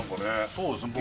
そうですね